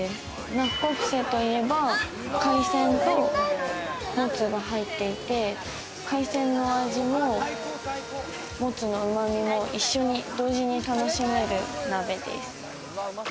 ナッコプセといえば海鮮とモツが入っていて、海鮮の味もモツのうまみも一緒に同時に楽しめる鍋です。